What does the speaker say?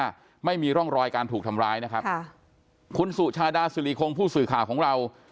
ว่าไม่มีร่องรอยการถูกทำร้ายนะครับค่ะคุณสุชาดาสิริคงผู้สื่อข่าวของเรา